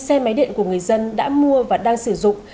xe máy điện của người dân đã mua và đang sử dụng